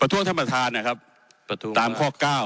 ประท้วงท่านประทานนะครับตามข้อ๙